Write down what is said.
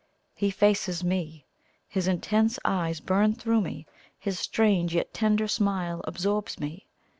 He faces me his intense eyes burn through me his strange yet tender smile absorbs me.